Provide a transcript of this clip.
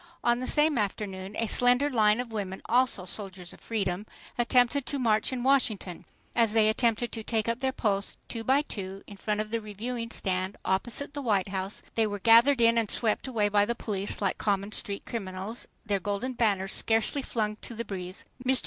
On the same afternoon a slender line of women—also "soldiers of freedom"—attempted to march in Washington. As they attempted to take up their posts, two by two, in front of the Reviewing Stand, opposite the White House, they were gathered in and swept away by the police like common street criminals—their golden banners scarcely flung to the breeze. MR.